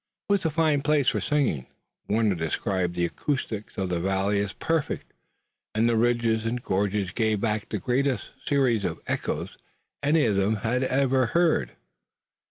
It was a fine place for singing Warner described the acoustics of the valley as perfect and the ridges and gorges gave back the greatest series of echoes any of them had ever heard.